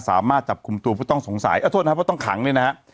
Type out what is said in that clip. สามารถจับกลุ่มตัวผู้ต้องสงสัยเอาโทษนะครับเพราะต้องขังเนี่ยนะฮะ